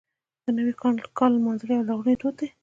د نوي کال لمانځل یو لرغونی دود دی.